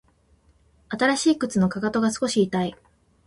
新しい靴のかかとが少し痛い